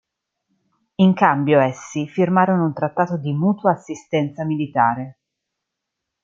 In cambio essi firmarono un trattato di mutua assistenza militare.